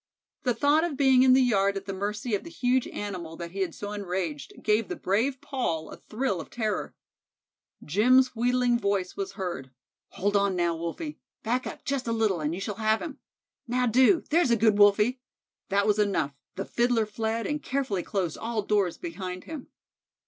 The thought of being in the yard at the mercy of the huge animal that he had so enraged, gave the brave Paul a thrill of terror. Jim's wheedling voice was heard "Hold on now, Wolfie; back up just a little, and you shall have him. Now do; there's a good Wolfie" that was enough; the Fiddler fled and carefully closed all doors behind him.